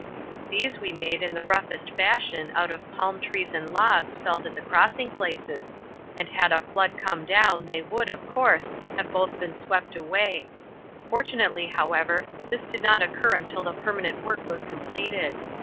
These we made in the roughest fashion out of palm trees and logs felled at the crossing places, and had a flood come down they would, of course, have both been swept away; fortunately, however, this did not occur until the permanent work was completed.